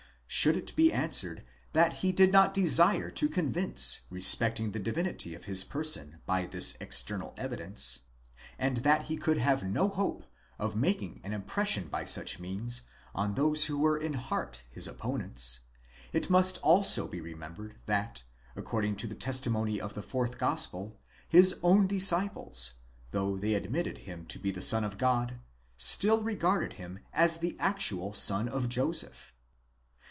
Should it be answered, that he did not desire to convince respecting the divinity of his person by this external evidence, and that he could have no hope of making an impression by such means on those who were in heart his opponents,—it must also be remembered, that, according to the testimony of the fourth Gospel, his own disciples, though they admitted. him to be the son of God, still regarded him as the actual son of Joseph.